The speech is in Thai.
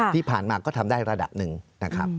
ที่ผ่านมาก็ทำได้ระดับหนึ่งนะครับ